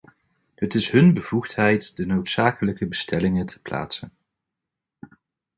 Het is hun bevoegdheid de noodzakelijke bestellingen te plaatsen.